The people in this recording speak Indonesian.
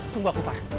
tunggu aku far